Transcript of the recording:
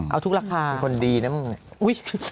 เอาทุกราคามีคนดีน่ะมึง